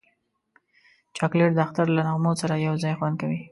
چاکلېټ د اختر له نغمو سره یو ځای خوند کوي.